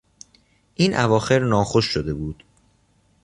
این اواخر ناخوش شده بود.